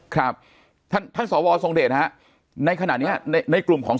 ครับท่านท่านสวทรงเดชฮะในขณะเนี้ยในกลุ่มของ